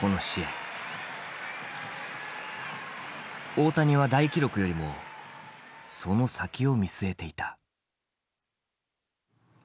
大谷は大記録よりもその先を見据えていた。